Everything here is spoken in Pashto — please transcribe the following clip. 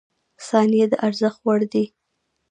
• ثانیې د ارزښت وړ دي.